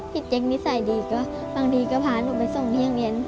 พี่เจ๊กนิสัยดีก็บางทีก็พาหนูไปส่งเที่ยงเย็น